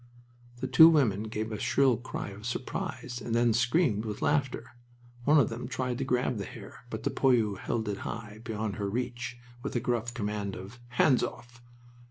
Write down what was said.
The two women gave a shrill cry of surprise, and then screamed with laughter. One of them tried to grab the hair, but the poilu held it high, beyond her reach, with a gruff command of, "Hands off!"